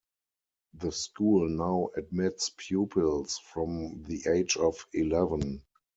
The school now admits pupils from the age of eleven.